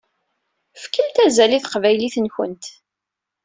Fkemt azal i taqbaylit-nkent.